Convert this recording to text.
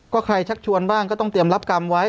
ก็ใครชักชวนบ้างก็ต้องเตรียมรับกรรมไว้